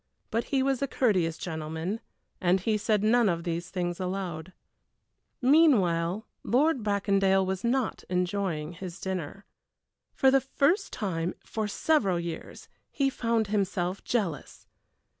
But he was a courteous gentleman and he said none of these things aloud. Meanwhile, Lord Bracondale was not enjoying his dinner. For the first time for several years he found himself jealous!